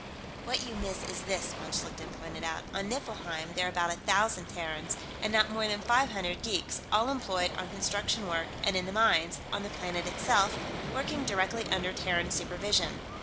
"What you miss is this," von Schlichten pointed out. "On Niflheim, there are about a thousand Terrans, and not more than five hundred geeks, all employed on construction work and in the mines, on the planet itself, working directly under Terran supervision.